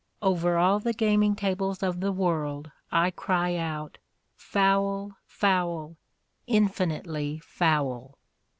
Over all the gaming tables of the world I cry out "Foul! foul! Infinitely foul!"